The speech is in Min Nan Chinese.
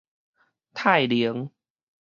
泰寧